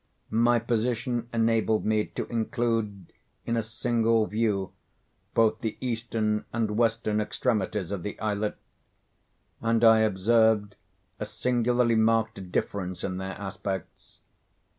My position enabled me to include in a single view both the eastern and western extremities of the islet; and I observed a singularly marked difference in their aspects.